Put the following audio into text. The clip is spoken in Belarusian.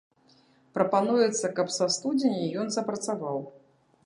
Прапануецца, каб са студзеня ён запрацаваў.